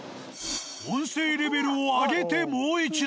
音声レベルを上げてもう一度。